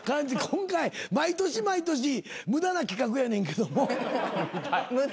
今回毎年毎年無駄な企画やねんけども。